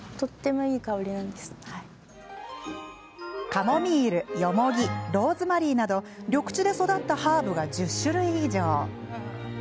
カモミール、よもぎローズマリーなど緑地で育ったハーブが１０種類以上。